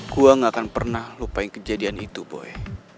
gua gak akan pernah lupain kejadian itu boy